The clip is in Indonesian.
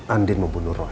andi membunuh roy